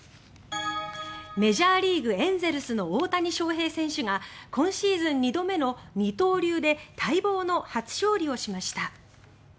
メジャーリーグ、エンゼルスの大谷翔平選手が今シーズン２度目の二刀流で待望の初勝利をしました。